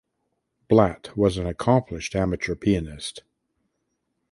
Blatt was an accomplished amateur pianist.